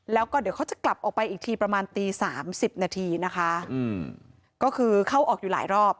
แล้วก็เดี๋ยวเขาจะกลับออกไปอีกทีประมาณตีสามสิบนาทีนะคะอืมก็คือเข้าออกอยู่หลายรอบ